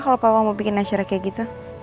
kalau papa mau bikin acara kayak gitu